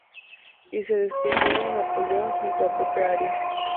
Y se despidió con "Napoleón" junto a Pepe Arias.